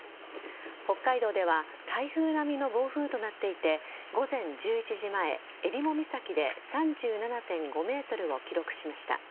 北海道では台風並みの暴風となっていて午前１１時前、襟裳岬で３７．５メートルを記録しました。